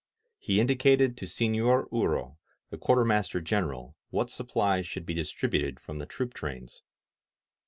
He indicated to Sefior Uro, the Quartermaster general, what supplies should be distributed from the troop trains.